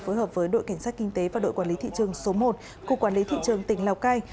phối hợp với đội cảnh sát kinh tế và đội quản lý thị trường số một của quản lý thị trường tỉnh lào cai